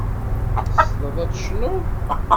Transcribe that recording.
Tessneḍ ad tecnuḍ?